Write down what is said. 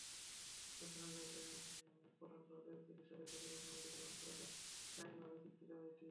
দক্ষিণাঞ্চলের প্রধান সরকারি চিকিৎসালয় শের-ই-বাংলা মেডিকেল কলেজ হাসপাতালের গাইনি ওয়ার্ডের চিত্র এটি।